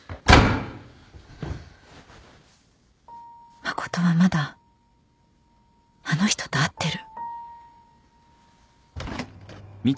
誠はまだあの人と会ってる・・